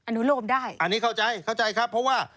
อนุโลมได้อันนี้เข้าใจเข้าใจครับเพราะว่า